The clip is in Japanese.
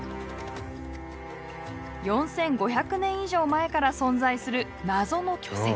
４，５００年以上前から存在する謎の巨石。